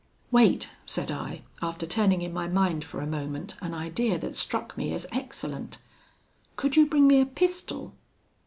"'Wait,' said I, after turning in my mind for a moment an idea that struck me as excellent; 'could you bring me a pistol?'